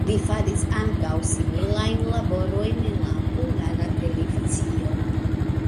Li faris ankaŭ similajn laborojn en la Hungara Televizio.